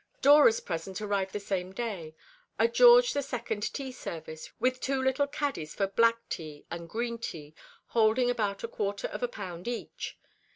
Dora's present arrived the same day. A George II. tea service, with two little caddies for black tea and green tea, holding about a quarter of a pound each.